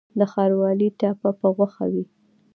د ښاروالۍ ټاپه په غوښه وي؟